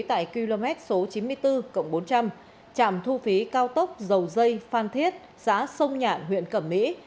tại km số chín mươi bốn bốn trăm linh trạm thu phí cao tốc dầu dây phan thiết xã sông nhạn huyện cẩm mỹ